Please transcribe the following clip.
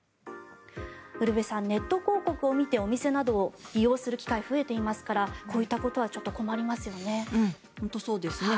ウルヴェさん、ネット広告を見てお店などを利用する機会が増えていますからこういったことはちょっと困りますよね。